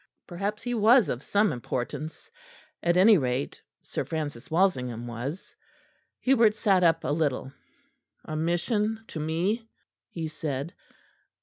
Perhaps he was of some importance; at any rate, Sir Francis Walsingham was. Hubert sat up a little. "A mission to me?" he said.